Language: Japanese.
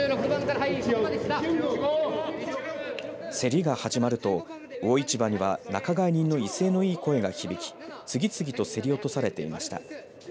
競りが始まると魚市場には仲買人の威勢のいい声が響き次々と競り落とされていました。